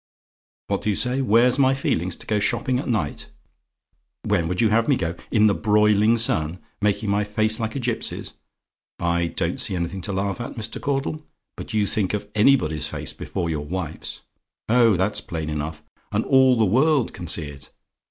"What do you say? "WHERE'S MY FEELINGS, TO GO SHOPPING AT NIGHT? "When would you have me go? In the broiling sun, making my face like a gipsy's? I don't see anything to laugh at, Mr. Caudle; but you think of anybody's face before your wife's. Oh, that's plain enough; and all the world can see it.